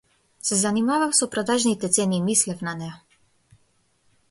Се занимавав со продажните цени и мислев на неа.